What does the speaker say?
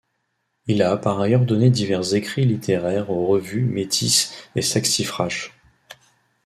Il a par ailleurs donné divers écrits littéraires aux revues Métis et Saxifrage.